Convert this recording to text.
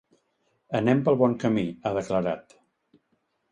Anem pel bon camí, ha declarat.